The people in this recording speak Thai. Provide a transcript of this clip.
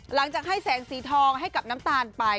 หลังจากให้แสงสีทองให้กับน้ำตาลไป